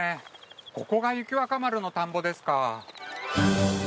ここが雪若丸の田んぼですか。